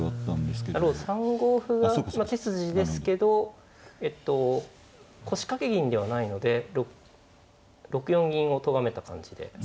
なるほど３五歩が手筋ですけど腰掛け銀ではないので６四銀をとがめた感じで。